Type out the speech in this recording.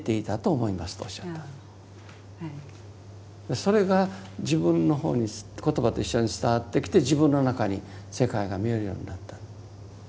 それが自分の方に言葉と一緒に伝わってきて自分の中に世界が見えるようになった。